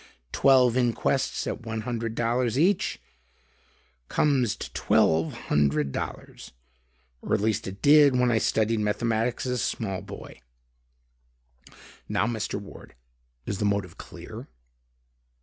Twelve inquests at one hundred each, comes to twelve hundred dollars; or at least it did when I studied mathematics as a small boy. Now, Mr. Ward, is the motive clear?"